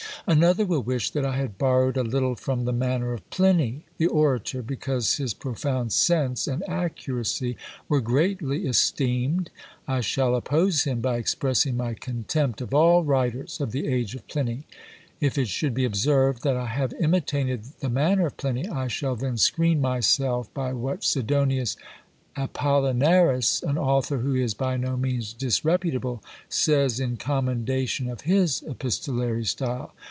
Another will wish that I had borrowed a little from the manner of Pliny the orator, because his profound sense and accuracy were greatly esteemed. I shall oppose him by expressing my contempt of all writers of the age of Pliny. If it should be observed, that I have imitated the manner of Pliny, I shall then screen myself by what Sidonius Apollinaris, an author who is by no means disreputable, says in commendation of his epistolary style.